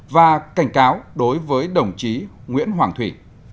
và cảnh cáo đối với đồng chí nguyễn hoàng thủy